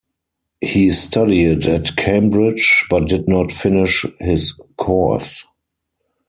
He studied at Cambridge, but did not finish his course.